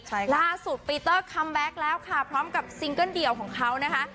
ใช่ค่ะล่าสุดปีเตอร์คัมแบ็คแล้วค่ะพร้อมกับซิงเกิ้ลเดี่ยวของเขานะคะ